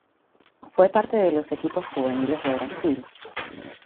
Fue parte de los equipos juveniles de Brasil.